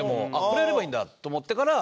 これをやればいいんだと思ってから。